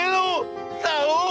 kamu apa sih lu